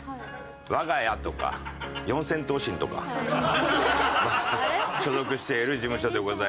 我が家とか四千頭身とか所属している事務所でございます。